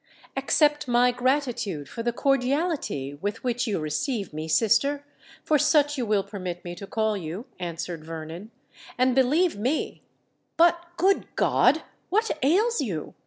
"Accept my gratitude for the cordiality with which you receive me, sister—for such you will permit me to call you," answered Vernon; "and believe me——. But, good God! what ails you?